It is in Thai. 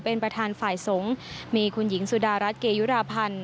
เป็นประธานฝ่ายสงฆ์มีคุณหญิงสุดารัฐเกยุราพันธ์